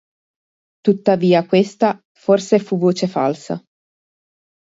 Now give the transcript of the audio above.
Tuttavia questa forse fu voce falsa.